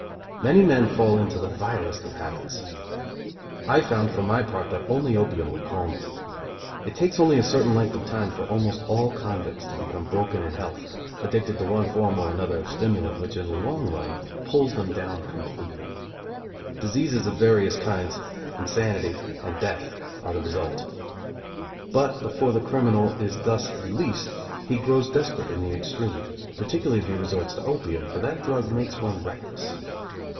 Many men fall into the vilest of habits. I found, for my part, that only opium would calm me. It takes only a certain length of time for almost all convicts to become broken in health, addicted to one form or another of stimulant which in the long run pulls them down completely. Diseases of various kinds, insanity and death, are the result. But before the criminal is thus released, he grows desperate in the extreme; particularly if he resorts to opium, for that drug makes one reckless.